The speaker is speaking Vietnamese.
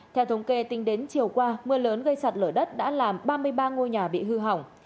theo thống kê tính đến chiều qua mưa lớn gây sạt lở đất đã làm ba mươi ba ngôi nhà bị hư hỏng